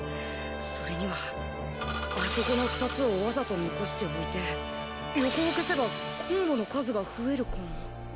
それにはあそこの２つをわざと残しておいて横を消せばコンボの数が増えるかも